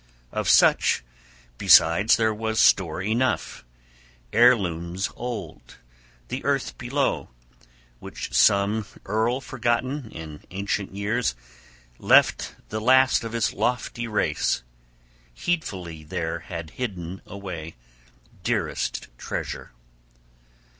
Of such besides there was store enough, heirlooms old, the earth below, which some earl forgotten, in ancient years, left the last of his lofty race, heedfully there had hidden away, dearest treasure.